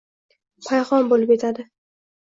payhon bo‘lib yotadi.